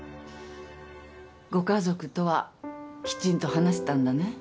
ご家族とはきちんと話せたんだね？